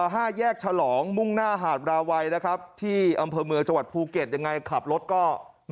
ห้าแยกฉลองมุ่งหน้าหาดราวัยนะครับที่อำเภอเมืองจังหวัดภูเก็ตยังไงขับรถก็